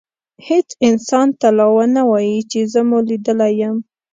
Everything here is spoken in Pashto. هیڅ انسان ته لا ونه وایئ چي زه مو لیدلی یم.